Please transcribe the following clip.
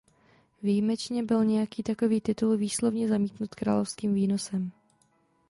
Výjimečně byl nějaký takový titul výslovně zamítnut královským výnosem.